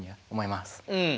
うん。